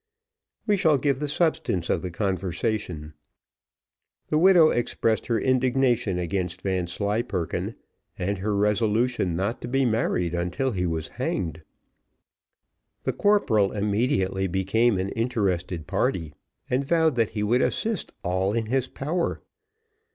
We shall give the substance of the conversation. The widow expressed her indignation against Vanslyperken, and her resolution not to be married until he was hanged. The corporal immediately became an interested party, and vowed that he would assist all in his power.